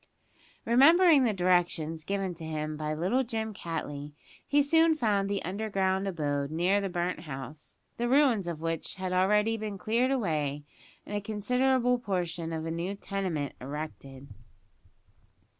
Remembering the directions given to him by little Jim Cattley, he soon found the underground abode near the burnt house, the ruins of which had already been cleared away and a considerable portion of a new tenement erected.